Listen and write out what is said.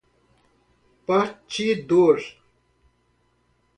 partidor